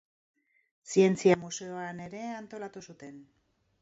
Zientzia Museoan ere antolatu zuten.